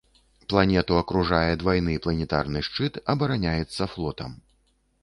Планету акружае двайны планетарны шчыт, абараняецца флотам.